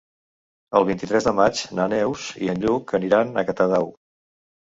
El vint-i-tres de maig na Neus i en Lluc aniran a Catadau.